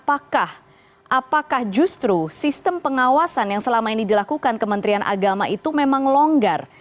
apakah justru sistem pengawasan yang selama ini dilakukan kementerian agama itu memang longgar